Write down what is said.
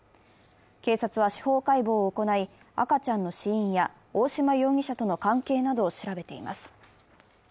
警察は司法解剖を行い、赤ちゃんの死因や大嶋容疑者との関係などを調べています。